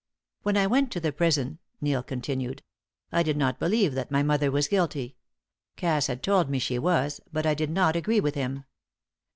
"When I went to the prison," Neil continued, "I did not believe that my mother was guilty. Cass had told me she was but I did not agree with him.